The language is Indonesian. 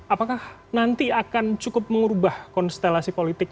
apakah nanti akan cukup mengubah konstelasi politik